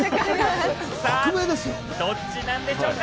さぁ、どっちなんでしょうか？